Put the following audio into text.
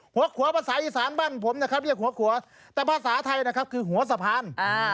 หัวขัวภาษาอีสานบ้านผมนะครับเรียกหัวขัวแต่ภาษาไทยนะครับคือหัวสะพาน